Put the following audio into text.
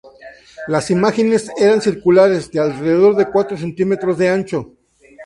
Las imágenes eran circulares, de alrededor de cuatro centímetros de ancho.